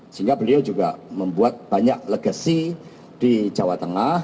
sehingga beliau juga membuat banyak legacy di jawa tengah